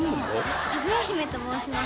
かぐや姫と申します。